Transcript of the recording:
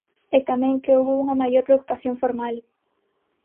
E tamén que houbo unha maior preocupación formal.